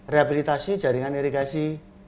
rehabilitasi jaringan irigasi